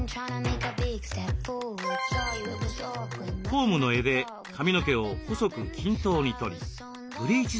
コームの柄で髪の毛を細く均等に取りブリーチ